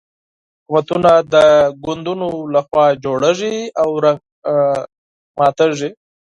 حکومتونه د ګوندونو له خوا جوړېږي او ړنګېږي.